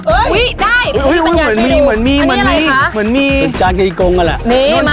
อุ๊ยได้ช่วยอีกบัญญาณด้วยดูอันนี้อะไรคะเหมือนมีเราจานกับอีกกงกว่างัระ